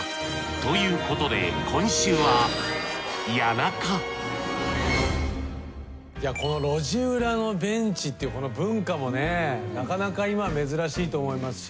ということで今週は路地裏のベンチっていうこの文化もねなかなか今珍しいと思いますし。